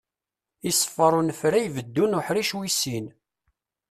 Iṣeffer unefray beddu n uḥric wis sin.